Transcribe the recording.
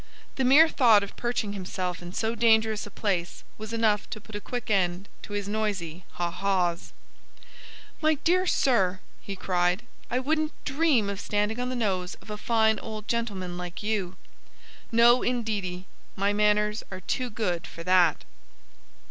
The mere thought of perching himself in so dangerous a place was enough to put a quick end to his noisy haw haws. "My dear sir!" he cried. "I wouldn't dream of standing on the nose of a fine old gentleman like you. No indeedy! My manners are too good for that."